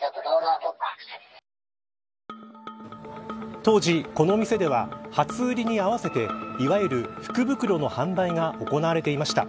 当時この店では初売りに合わせていわゆる福袋の販売が行われていました。